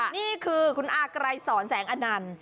นี่คือคุณอากรายสอนแสงอนัญ